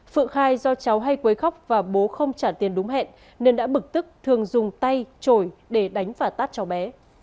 phượng khai do cháu hay quấy khóc và bố không trả tiền đúng hẹn nên đã bực tức thường dùng tay trổi để đánh và tát cháu bé